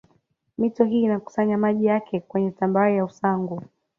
Mito hii inakusanya maji yake kwenye tambarare ya Usangu